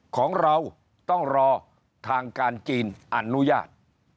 ของเราต้องรอทางการจีนอนุญาต